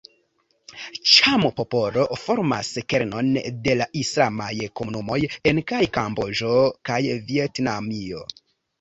Ĉam-popolo formas kernon de la islamaj komunumoj en kaj Kamboĝo kaj Vjetnamio.